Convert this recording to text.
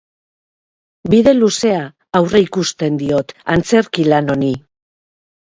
Bide luzea aurreikusten diot antzerki lan honi.